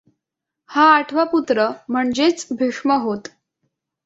हा आठवा पुत्र म्हणजेच भीष्म होत.